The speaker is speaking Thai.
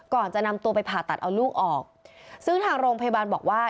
ก่อนจะนำตัวไปผ่าตัดเอาลูกออกซึ่งทางโรงพยาบาลบอกว่า